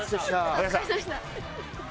お疲れさまでした。